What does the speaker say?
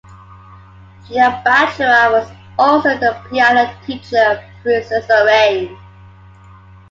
Gina Bachauer was also the piano teacher of Princess Irene.